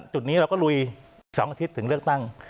จุดนี้เราก็ลุย๒อาทิตย์ถึงเลือกตั้ง